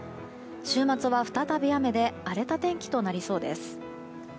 週末は再び雨で荒れた天気になりそうです。